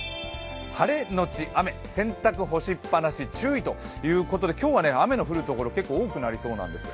晴れのち雨、洗濯干しっぱなし注意ということで、今日は雨の降るところ、結構多くなってきそうなんです。